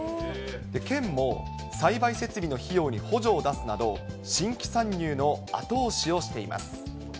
県も栽培設備の費用に補助を出すなど、新規参入の後押しをしています。